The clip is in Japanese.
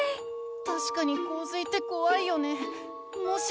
たしかにこう水ってこわいよね。